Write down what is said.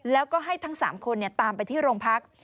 แล้วก็ให้ทั้ง๓คนตามไปที่โรงพัก